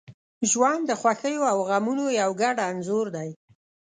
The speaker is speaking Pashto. • ژوند د خوښیو او غمونو یو ګډ انځور دی.